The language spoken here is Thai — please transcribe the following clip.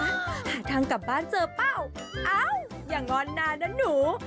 หาทางกลับบ้านเจอเป้าอ้าวอย่างง้อนนานนะหนู